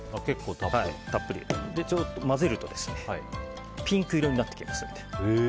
混ぜるとピンク色になってきますので。